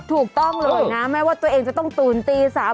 ถูกต้องเลยนะแม้ว่าตัวเองจะต้องตื่นตี๓